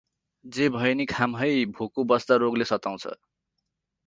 जे भए नि खाम है भोको बस्दा रोगले सताउँछ ।